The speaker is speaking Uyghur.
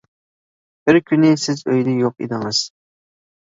بىر كۈنى سىز ئۆيدە يوق ئىدىڭىز.